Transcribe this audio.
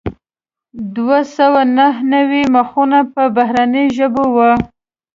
دوه سوه نهه نوي مخونه په بهرنیو ژبو وو.